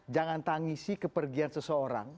jangan tangisi kepergian seseorang